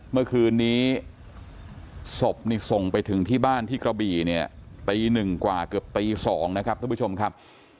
เมื่อคืนนี้ศพนี่ส่งไปถึงที่บ้านที่กระบี่เนี่ยตีหนึ่งกว่าเกือบตี๒นะครับท่านผู้ชมครับ